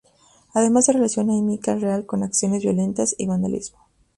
Además, se relaciona a Miquel Real con acciones violentas, y vandalismo.